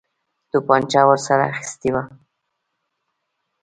توپنچه ورسره اخیستې وه.